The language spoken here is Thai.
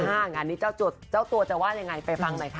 อ่างานนี้เจ้าตัวเจ้าตัวจะว่าอย่างไรไปฟังหน่อยค่ะ